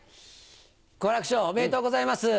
好楽師匠おめでとうございます。